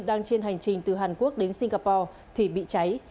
đang trên hành trình từ hàn quốc đến singapore thì bị cháy